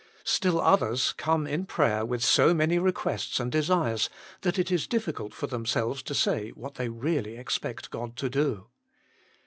Still others come in prayer with so many requests and desires, that it is difficult for themselves to say what they really expect God to do.